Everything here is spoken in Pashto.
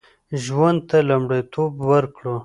ژوند ته لومړیتوب ورکړو